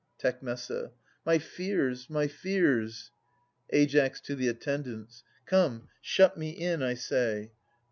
Tec My fears, my fears ! Ai. {to the Attendants). Come, shut me in, I say.